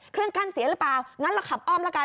เครื่องกั้นเสียหรือเปล่างั้นเราขับอ้อมละกัน